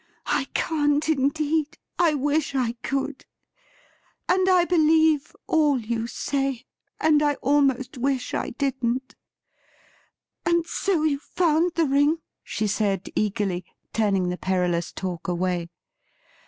' I can't, indeed ; I wish I could ! And I believe all you say, and I almost wish I didn't. And so you found that ring ?' she said eagerly, turning the perilous talk away.